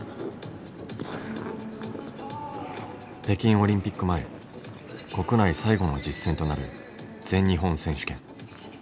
北京オリンピック前国内最後の実戦となる全日本選手権。